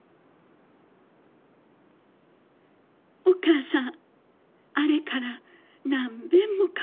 「お母さんあれから何べんも考えたんよ。